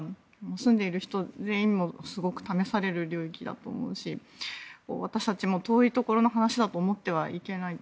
住んでいる人全員もすごく試される領域だと思うし私たちも遠いところの話だと思ってはいけない。